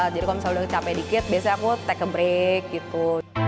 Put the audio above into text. jadi kalau misalnya udah kecapean dikit biasanya aku take a break gitu